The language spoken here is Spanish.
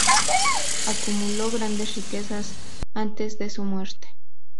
Acumuló grandes riquezas antes de su muerte.